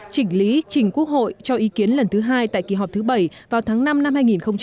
chỉnh lý chỉnh quốc hội cho ý kiến lần thứ hai tại kỳ họp thứ bảy vào tháng năm năm hai nghìn một mươi chín